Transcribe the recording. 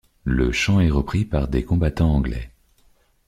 Le chant est repris par des combattants anglais.